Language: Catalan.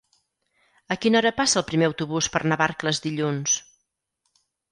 A quina hora passa el primer autobús per Navarcles dilluns?